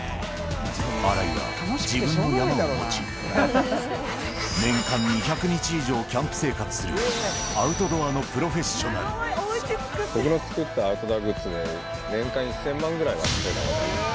荒井は自分の山を持ち、年間２００日以上をキャンプ生活する、アウトドアのプロフェッシ僕の作ったアウトドアグッズで、年間１０００万ぐらいは稼いだことあります。